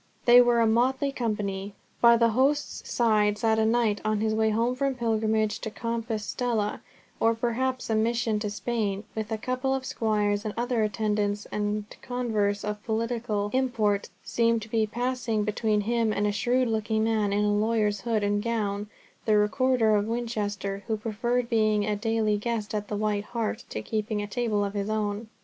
They were a motley company. By the host's side sat a knight on his way home from pilgrimage to Compostella, or perhaps a mission to Spain, with a couple of squires and other attendants, and converse of political import seemed to be passing between him and a shrewd looking man in a lawyer's hood and gown, the recorder of Winchester, who preferred being a daily guest at the White Hart to keeping a table of his own.